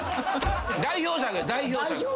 代表作や代表作。